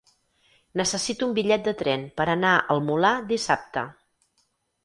Necessito un bitllet de tren per anar al Molar dissabte.